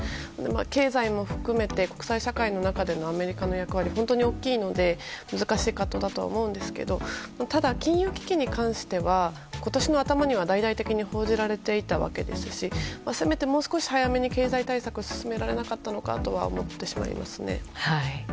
経済も含めて国際社会の中でのアメリカの役割は本当に大きいので難しいと思いますが金融危機に関しては今年の頭には大々的に報じられていたわけですしせめて、もう少し早めに経済対策を進められなかったのかなと思ってしまいますね。